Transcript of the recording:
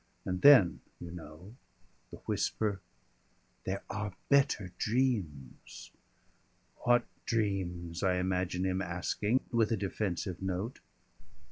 And then, you know, the whisper: "There are better dreams." "What dreams?" I imagine him asking, with a defensive note.